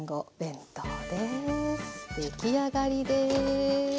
出来上がりです。